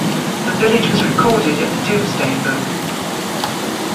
The village was recorded in the Domesday Book.